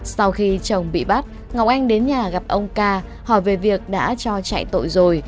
sau khi chồng bị bắt ngọc anh đến nhà gặp ông ca hỏi về việc đã cho chạy tội rồi